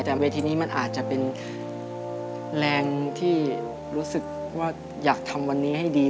แต่เวทีนี้มันอาจจะเป็นแรงที่รู้สึกว่าอยากทำวันนี้ให้ดี